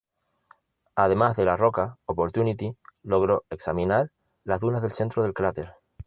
Además de la roca, Opportunity logró examinar las dunas del centro del cráter.